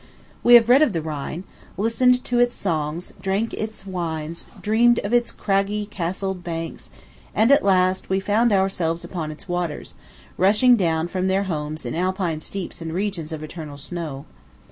We have read of the Rhine, listened to its songs, drank its wines, dreamed of its craggy, castled banks, and at last we found ourselves upon its waters, rushing down from their homes in Alpine steeps and regions of eternal snow.